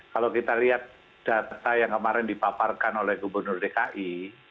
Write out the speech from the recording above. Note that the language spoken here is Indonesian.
kalau kita lihat data yang kemarin dipaparkan oleh gubernur dki